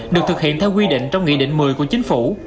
được thực hiện theo quy định trong nghị định một mươi của chính phủ